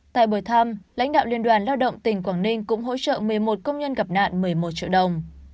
tại buổi thăm lãnh đạo liên đoàn lao động tỉnh quảng ninh cũng hỗ trợ một mươi một công nhân gặp nạn một mươi một triệu đồng